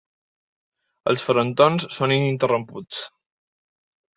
Els frontons són ininterromputs.